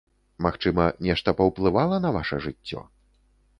Магчыма, нешта паўплывала на ваша жыццё?